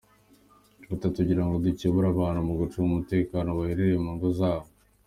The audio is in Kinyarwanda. Tukaba tugirango dukebure abantu mu gucunga umutekano bahereye mu ngo zabo.